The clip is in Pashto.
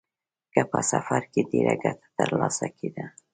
که په سفر کې ډېره ګټه ترلاسه کېده